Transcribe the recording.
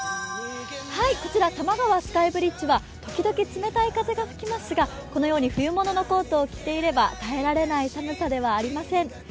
こちら多摩川スカイブリッジは時々冷たい風が吹きますがこのように冬物のコートを着ていれば耐えられない寒さではありません。